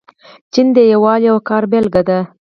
چین د یووالي او کار بیلګه ده.